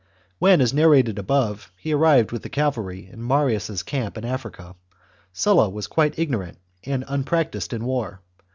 When, as narrated above, he arrived with the cavalry chap. XCVI in Marius' camp in Africa, Sulla was quite ignorant and unpractised in war.